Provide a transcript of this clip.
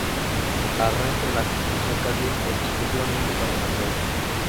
La Renfe las utilizó casi exclusivamente para maniobras.